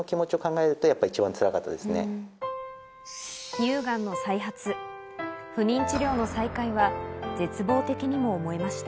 乳がんの再発、不妊治療の再開は絶望的にも思えました。